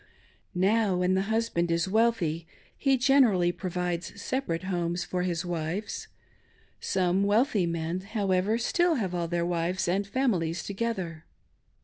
Now, when the husband is wealthy he generally provides separate homes for his wives. Some wealthy men, however, still have all their wives and families together.